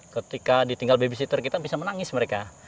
ketika ditinggal babysitter kita bisa menangis mereka